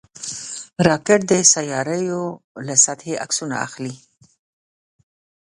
راکټ د سیارویو له سطحې عکسونه اخلي